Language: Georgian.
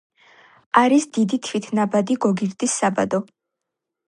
არის დიდი თვითნაბადი გოგირდის საბადო.